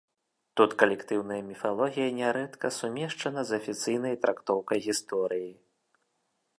Тут калектыўная міфалогія нярэдка сумешчана з афіцыйнай трактоўкай гісторыі.